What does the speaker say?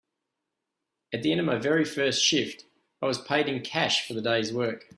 At the end of my very first shift, I was paid in cash for the day’s work.